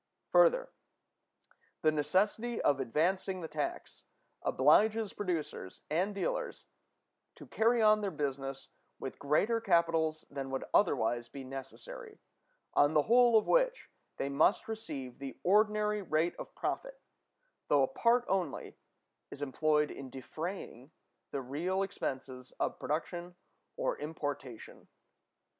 Further, the necessity of advancing the tax obliges producers and dealers to carry on their business with larger capitals than would otherwise be necessary, on the whole of which they must receive the ordinary rate of profit, though a part only is employed in defraying the real expenses of production or importation.